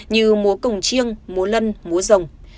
như múa cổng chiêng múa lân múa rồng